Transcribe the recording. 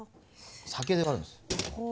酒で割るんです。